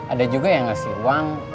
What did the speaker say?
ada juga yang ngasih uang